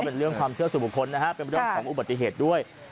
เป็นเรื่องของอุบัติเหตุด้วย